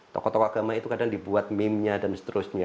tokoh tokoh agama itu kadang dibuat meme nya dan seterusnya